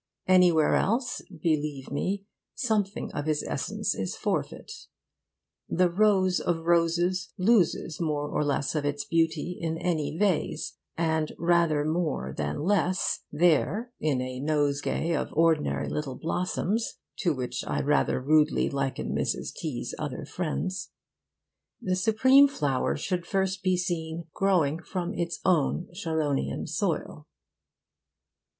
Anywhere else, believe me, something of his essence is forfeit. 'The rose of roses' loses more or less of its beauty in any vase, and rather more than less there in a nosegay of ordinary little blossoms (to which I rather rudely liken Mrs. T 's other friends). The supreme flower should be first seen growing from its own Sharonian soil.